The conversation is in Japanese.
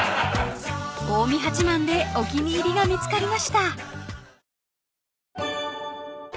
［近江八幡でお気に入りが見つかりました］